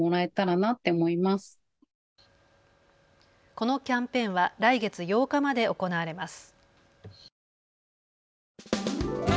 このキャンペーンは来月８日まで行われます。